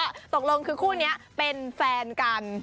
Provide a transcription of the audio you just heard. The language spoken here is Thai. ตกลงคือคู่นี้เป็นแฟนกัน